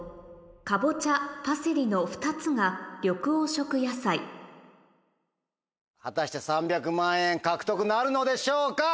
カボチャパセリの２つが緑黄色野菜果たして３００万円獲得なるのでしょうか？